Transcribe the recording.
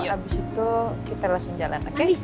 abis itu kita langsung jalan oke